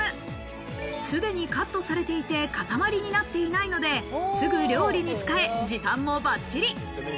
すでにカットされていて、かたまりになっていないので、すぐ料理に使え、時短もバッチリ。